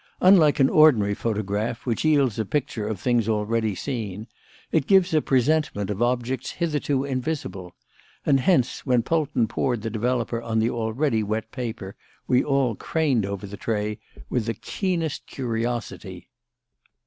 Unlike an ordinary photograph, which yields a picture of things already seen, it gives a presentment of objects hitherto invisible; and hence, when Polton poured the developer on the already wet paper, we all craned over the tray with the keenest curiosity.